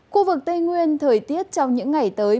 khu vực tây nguyên thời tiết trong những ngày tới